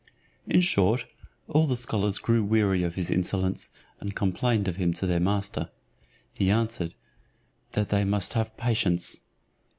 In short, all the scholars grew weary of his insolence, and complained of him to their master. He answered, "That they must have patience."